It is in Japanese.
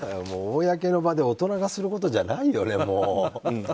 公の場で大人がすることじゃないよね。